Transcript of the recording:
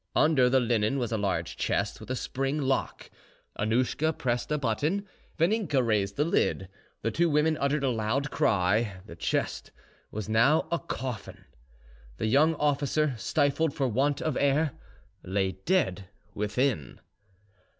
Under the linen was a large chest with a spring lock. Annouschka pressed a button, Vaninka raised the lid. The two women uttered a loud cry: the chest was now a coffin; the young officer, stifled for want of air, lay dead within.